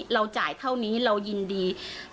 เราจ่ายเท่านี้เรายินดี